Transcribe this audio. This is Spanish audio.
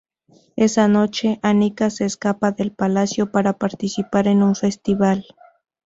Esa noche, Annika se escapa del palacio para participar en un festival.